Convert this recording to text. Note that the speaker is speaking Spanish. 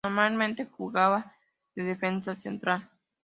Normalmente jugaba de Defensa Central.